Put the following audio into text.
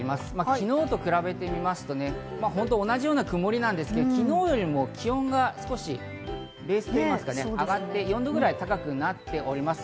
昨日と比べてみますと同じような曇りなんですけど、昨日よりも気温が少しベースが上がって４度くらい高くなっております。